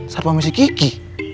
sarpa mesi gigi